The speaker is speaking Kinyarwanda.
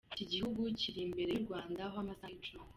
Iki gihugu kiri imbere y’u Rwanda ho amasaha icumi.